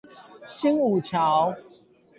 新武橋